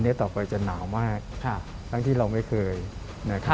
ต่อไปจะหนาวมากทั้งที่เราไม่เคยนะครับ